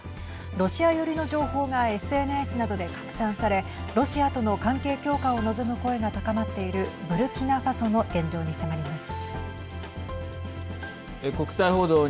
ロシア寄りの情報がＳＮＳなどで拡散されロシアとの関係強化を望む声が高まっているブルキナファソの現状に迫ります。